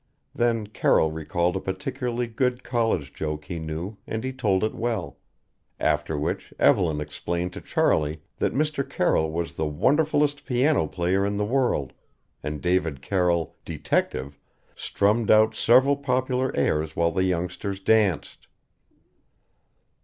Then Carroll recalled a particularly good college joke he knew and he told it well. After which Evelyn explained to Charley that Mr. Carroll was the wonderfulest piano player in the world and David Carroll, detective, strummed out several popular airs while the youngsters danced.